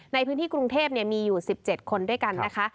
ในพื้นที่กรุงเทพมีอยู่๑๗คนด้วยกันนะคะ